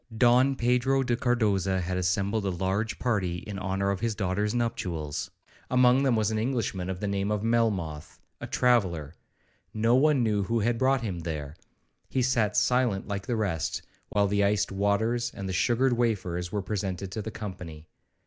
Don Pedro de Cardoza had assembled a large party in honour of his daughter's nuptials; among them was an Englishman of the name of Melmoth, a traveller; no one knew who had brought him there. He sat silent like the rest, while the iced waters and the sugared wafers were presented to the company.